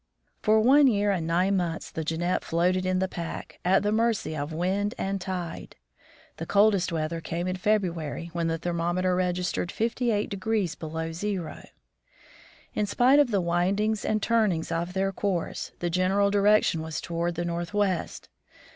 For one year and nine months the Jeannette floated in the pack, at the mercy of wind and tide. The coldest weather came in February, when the thermometer regis tered 5 8° below zero. In spite of the windings and turn ings of their course, the general direction was toward the northwest.